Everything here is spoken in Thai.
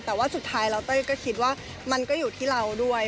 แต่ว่าสุดท้ายแล้วเต้ยก็คิดว่ามันก็อยู่ที่เราด้วย